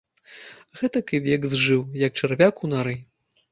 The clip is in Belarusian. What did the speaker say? Гэтак і век зжыў, як чарвяк у нары.